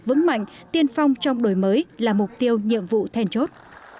vững mạnh tiên phong trong đổi mới là mục tiêu nhiệm vụ thèn chốt